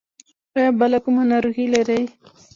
ایا بله کومه ناروغي لرئ؟